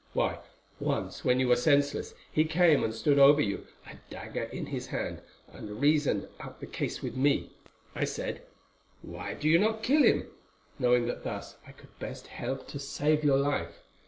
Why, once when you were senseless he came and stood over you, a dagger in his hand, and reasoned out the case with me. I said, 'Why do you not kill him?' knowing that thus I could best help to save your life.